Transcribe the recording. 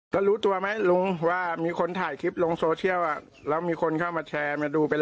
แล้วรู้ตัวไหมลุงว่ามีคนถ่ายคลิปลงโซเชียลอ่ะแล้วมีคนเข้ามาแชร์มาดูเป็น